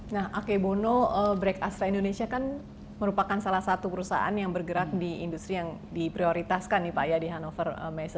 nah akebono break astra indonesia kan merupakan salah satu perusahaan yang bergerak di industri yang diprioritaskan di ahnover messe